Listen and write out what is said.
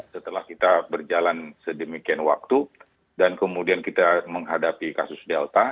setelah kita berjalan sedemikian waktu dan kemudian kita menghadapi kasus delta